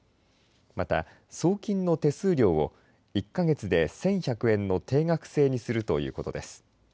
また、送金の手数料を１か月で１１００円の定額制にするということです。